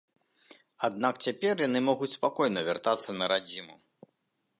Аднак цяпер яны могуць спакойна вяртацца на радзіму.